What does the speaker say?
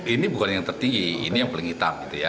ini bukan yang tertinggi ini yang paling hitam